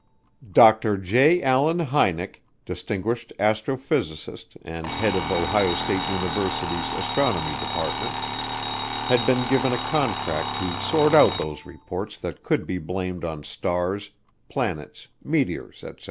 Dr. J. Allen Hynek, distinguished astrophysicist and head of Ohio State University's Astronomy Department, had been given a contract to sort out those reports that could be blamed on stars, planets, meteors, etc.